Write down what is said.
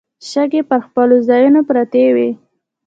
شګې پر خپلو ځايونو پرتې وې.